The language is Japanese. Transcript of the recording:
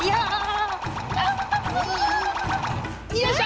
よいしょ！